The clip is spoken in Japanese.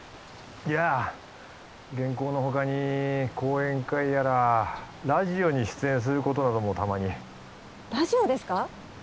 いやあ原稿の他に講演会やらラジオに出演することなどもたまにラジオですか？